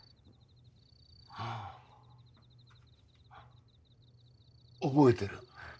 あぁ覚えてる。